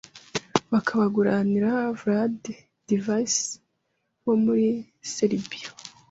bakabaguranira Vlade Divac wo muri Seribia.